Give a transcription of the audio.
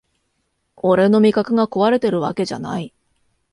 俺の味覚がこわれてるわけじゃない